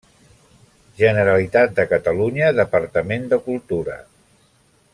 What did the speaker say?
Generalitat de Catalunya, Departament de Cultura.